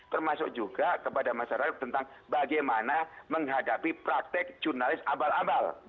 termasuk juga kepada masyarakat tentang bagaimana menghadapi praktek jurnalis abal abal